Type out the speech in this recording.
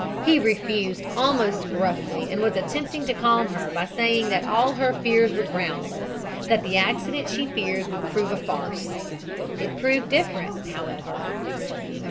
He refused almost gruffly and was attempting to calm her by saying that all her fears were groundless, that the accident she feared would prove a farce. It proved different, however.